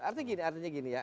artinya gini artinya gini ya